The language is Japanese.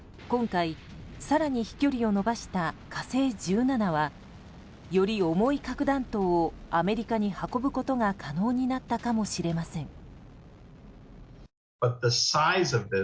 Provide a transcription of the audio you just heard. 今回、更に飛距離を伸ばした「火星１７」はより重い核弾頭をアメリカに運ぶことが可能になったかもしれません。